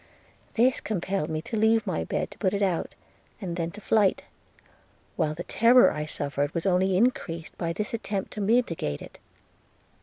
– This compelled me to leave my bed to put it out, and then to flight; while the terror I suffered was only increased by this attempt to mitigate it.